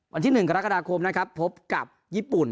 วันที่๑กรกฎาคมนะครับพบกับญี่ปุ่น